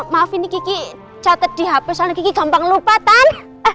maafin nih kiki catet di hp soalnya kiki gampang lupa tan